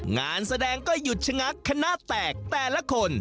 งานแสดงก็หยุดชะงักคณะแตกแต่ละคน